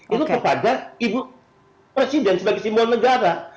itu kepada ibu presiden sebagai simbol negara